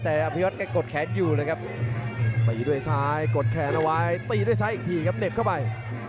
แต่อภิวัตแกกดแขนอยู่เลยครับตีด้วยซ้ายกดแขนเอาไว้ตีด้วยซ้ายอีกทีครับเหน็บเข้าไป